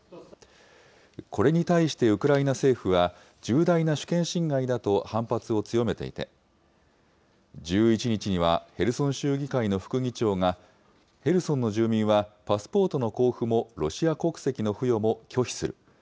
これに対してウクライナ政府は、重大な主権侵害だと反発を強めていて、１１日にはヘルソン州議会の副議長が、ヘルソンの住民はパスポートの交付も、ロシア国籍の付与も拒否する。